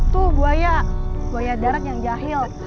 tuh buaya buaya darat yang jahil